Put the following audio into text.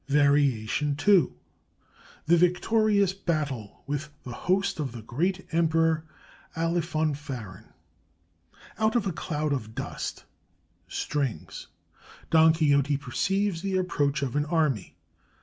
VARIATION II THE VICTORIOUS BATTLE WITH THE HOST OF THE GREAT EMPEROR ALIFONFARON Out of a cloud of dust (strings) Don Quixote perceives the approach of an army.